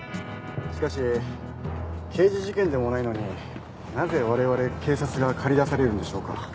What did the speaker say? しかし刑事事件でもないのになぜ我々警察が駆り出されるんでしょうか？